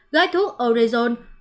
gói thuốc orezon